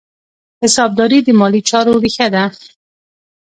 حسابداري د مالي چارو ریښه ده.